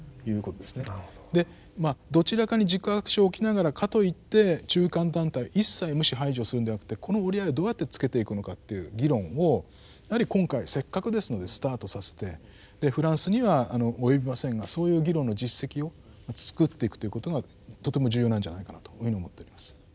でまあどちらかに軸足を置きながらかといって中間団体一切無視排除するんではなくてこの折り合いをどうやってつけていくのかという議論をやはり今回せっかくですのでスタートさせてでフランスには及びませんがそういう議論の実績を作っていくということがとても重要なんじゃないかなというふうに思っております。